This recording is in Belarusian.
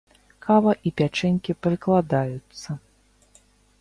Кава і пячэнькі прыкладаюцца.